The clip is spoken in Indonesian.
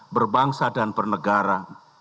berbangsa dan bernegara